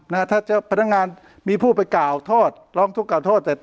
ถ้าพนักงานมีผู้ไปก่าวโทษร้องทุกข์ก่าวโทษ